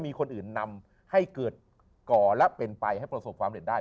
มีคนอื่นนำให้เกิดก่อและเป็นไปให้ประสบความเร็จได้